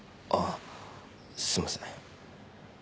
あっすいません。